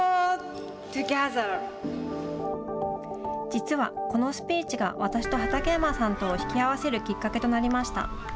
実はこのスピーチが私と畠山さんとを引き合わせるきっかけとなりました。